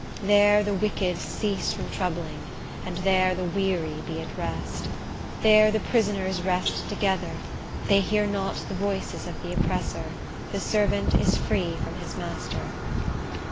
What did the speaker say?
"There the wicked cease from troubling, and there the weary be at rest. There the prisoners rest together; they hear not the voice of the oppressor; the servant is free from his master."